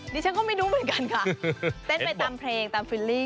ดิฉันก็ไม่รู้เหมือนกันค่ะเต้นไปตามเพลงตามฟิลลี่